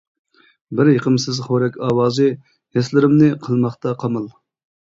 بىر يېقىمسىز خورەك ئاۋازى، ھېسلىرىمنى قىلماقتا قامال.